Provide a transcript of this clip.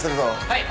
はい。